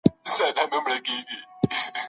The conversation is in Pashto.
لیکل د جزیاتو په یادولو کي تر اورېدلو دقیق دي.